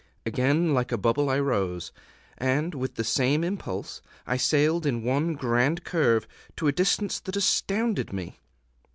Again like a bubble I rose, and, with the same impulse, I sailed in one grand curve to a distance that astounded me.